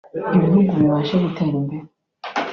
ibihugu bibashe gutera imbere